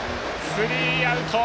スリーアウト。